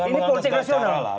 jangan mengambil segala cara lah